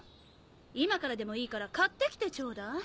今からでもいいから買ってきてちょうだい！